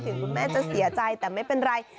คุณแม่จะเสียใจแต่ไม่เป็นไร